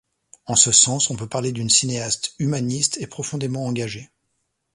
En ce sens on peut parler d’une cinéaste humaniste et profondément engagée.